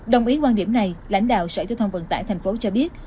đồng ý quan điểm này lãnh đạo sở thông vận tải thành phố cho biết